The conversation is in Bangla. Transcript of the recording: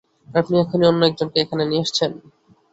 আর আপনি এখনই অন্য একজনকে এখানে নিয়ে আসছেন।